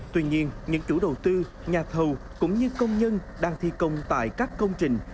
tuy nhiên những chủ đầu tư nhà thầu cũng như công nhân đang thi công tại các công trình